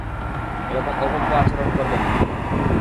এরকম অভব্য আচরণ করবেন না!